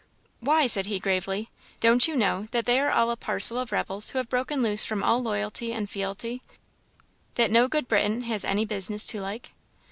"Why," said he, gravely, "don't you know that they are a parcel of rebels who have broken loose from all loyalty and fealty, that no good Briton has any business to like?"